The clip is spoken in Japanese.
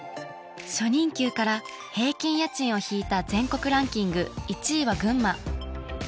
初任給から平均家賃を引いた全国ランキング１位は群馬。